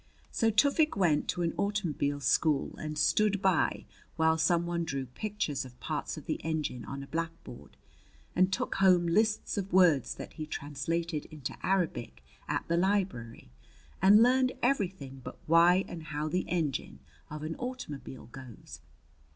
So Tufik went to an automobile school and stood by while some one drew pictures of parts of the engine on a blackboard, and took home lists of words that he translated into Arabic at the library, and learned everything but why and how the engine of an automobile goes.